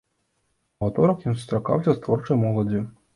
У аўторак ён сустракаўся з творчай моладдзю.